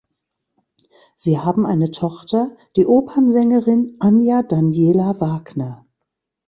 Sie haben eine Tochter, die Opernsängerin Anja Daniela Wagner.